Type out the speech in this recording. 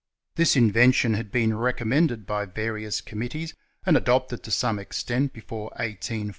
This invention had been recommended by various committees, and adopted to some extent before 1814 {Pari.